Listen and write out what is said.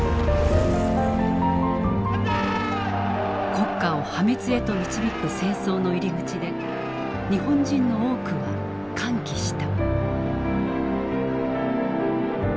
国家を破滅へと導く戦争の入り口で日本人の多くは歓喜した。